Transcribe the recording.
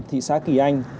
thị xã kỳ anh